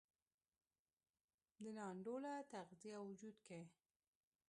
د نا انډوله تغذیې او وجود کې